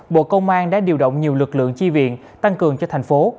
bộ công an đã điều động nhiều lực lượng chi viện tăng cường cho thành phố